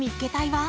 は。